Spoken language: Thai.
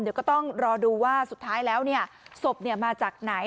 เดี๋ยวก็ต้องรอดูว่าสุดท้ายแล้วศพมาจากไหน